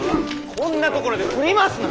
こんなところで振り回すな！